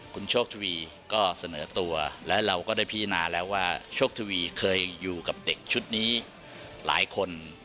คุณโชคทวีก็เสนอตัวและเราก็ได้พิจารณาแล้วว่าโชคทวีเคยอยู่กับเด็กชุดนี้หลายคน